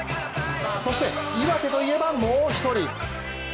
そして岩手といえばもう一人。